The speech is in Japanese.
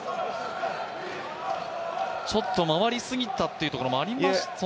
ちょっと回りすぎたというところもありましたか？